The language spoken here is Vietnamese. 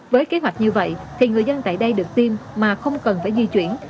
với kế hoạch như vậy thì người dân tại đây được tiêm mà không cần phải di chuyển